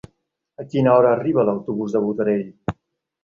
A quina hora arriba l'autobús de Botarell?